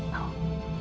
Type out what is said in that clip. mama akan kuat al